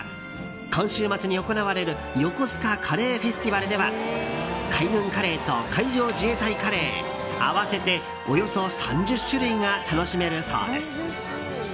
今週末に行われるよこすかカレーフェスティバルでは海軍カレーと海上自衛隊カレー合わせておよそ３０種類が楽しめるそうです。